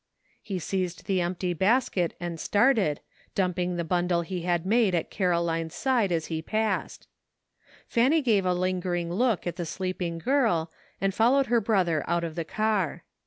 He seized the empty basket and started, dumping the bun dle he had made at Caroline's side as he passed. Fanny gave a lingering look at the sleeping girl and followed her brother out of the car.